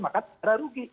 maka ada rugi